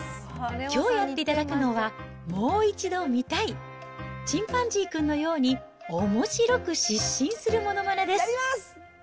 きょうやっていただくのは、もう一度見たい、チンパンジーくんのようにおもしろく失神するものまねです。